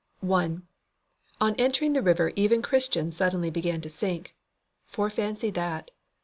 1. On entering the river even Christian suddenly began to sink. Fore fancy that.